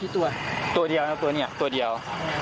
กี่ตัวตัวเดียวนะครับตัวนี้ตัวเดียว